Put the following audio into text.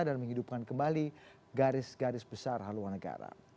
dan menghidupkan kembali garis garis besar haluan negara